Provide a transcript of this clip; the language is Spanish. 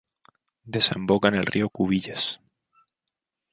Desemboca en el río Cubillas.